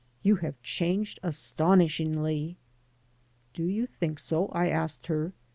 You have changed astonishingly.*' " Do you think so? I asked her.